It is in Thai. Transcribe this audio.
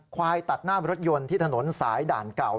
ควายตัดหน้ารถยนต์ที่ถนนสายด่านเก่า